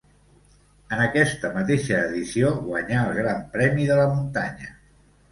En aquesta mateixa edició guanyà el Gran Premi de la muntanya.